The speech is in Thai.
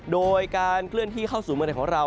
โดยการเคลื่อนที่เข้าสู่เมืองไทยของเรา